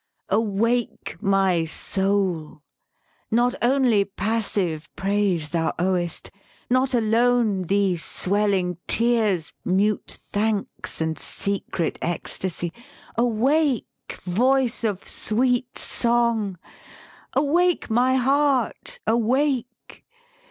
Awake, my Soul! not only passive praise Thou owest! not alone these swelling tears, Mute thanks and secret ecstasy! Awake, Voice of sweet song! Awake, my Heart, awake'.